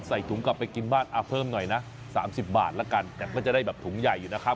ใส่ถุงกลับไปกินบ้านเพิ่มหน่อยนะ๓๐บาทแล้วกันแต่ก็จะได้แบบถุงใหญ่อยู่นะครับ